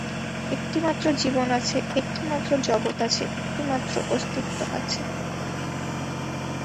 একটিমাত্র জীবন আছে, একটিমাত্র জগৎ আছে, একটিমাত্র অস্তিত্ব আছে।